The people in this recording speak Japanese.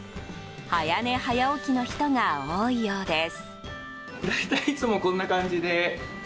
早寝早起きの人が多いようです。